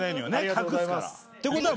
隠すから。っていうことは。